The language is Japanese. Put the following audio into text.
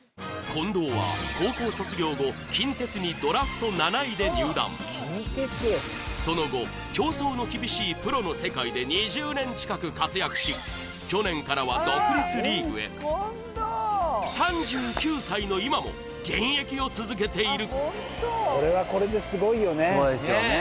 近藤は高校卒業後近鉄にドラフト７位で入団その後競争の厳しいプロの世界で２０年近く活躍し去年からは独立リーグへ３９歳の今も現役を続けているすごいですよね